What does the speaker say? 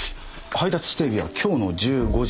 配達指定日は今日の１５時。